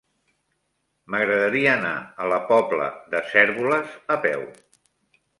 M'agradaria anar a la Pobla de Cérvoles a peu.